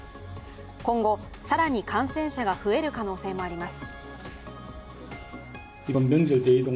今後、更に感染者が増える可能性もあります。